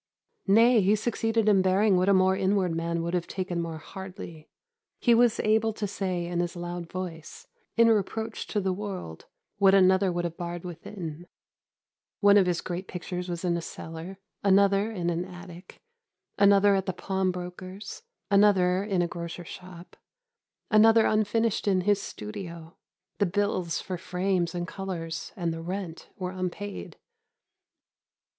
Nay, he succeeded in bearing what a more inward man would have taken more hardly. He was able to say in his loud voice, in reproach to the world, what another would have barred within: one of his great pictures was in a cellar, another in an attic, another at the pawnbroker's, another in a grocer's shop, another unfinished in his studio; the bills for frames and colours and the rent were unpaid.